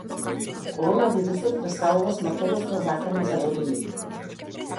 Коронавирусот претставува смртоносна закана за горилите